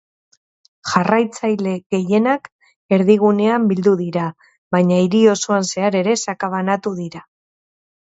Jarraitzaile gehienak erdigunean bildu dira, baina hiri osoan zehar ere sakabanatu dira.